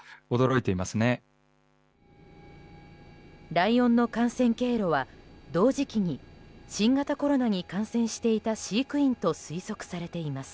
ライオンの感染経路は同時期に新型コロナに感染していた飼育員と推測されています。